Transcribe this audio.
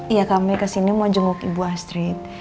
iya kami kesini mau jenguk ibu astrid